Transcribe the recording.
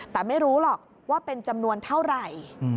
แต่ไม่รู้หรอกว่าเป็นจำนวนเท่าไหร่